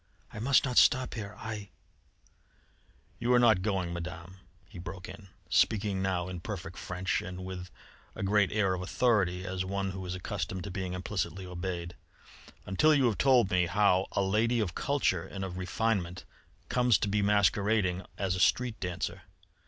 "I must not stop here.... I " "You are not going, Madame," he broke in, speaking now in perfect French and with a great air of authority, as one who is accustomed to being implicitly obeyed, "until you have told me how, a lady of culture and of refinement, comes to be masquerading as a street dancer.